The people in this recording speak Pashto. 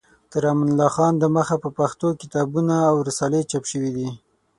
تر امان الله خان د مخه په پښتو کتابونه او رسالې چاپ شوې دي.